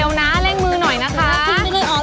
รอบอ่ะโหเร็วนะเร่งมือหน่อยนะคะ